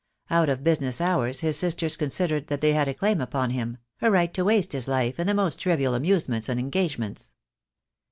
Out of business hours his sisters considered that they had a claim upon him, a right to waste his life in the most trivial amuse ments and engagements.